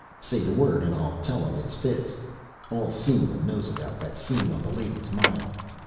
Say the word and I'll tell 'em it's fits. All Simla knows about that scene on the Ladies' Mile.